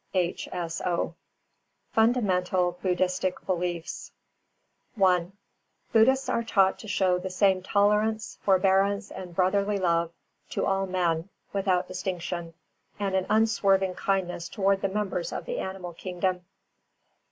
H. S. O. FUNDAMENTAL BUDDHISTIC BELIEFS I Buddhists are taught to show the same tolerance, forbearance, and brotherly love to all men, without distinction; and an unswerving kindness towards the members of the animal kingdom.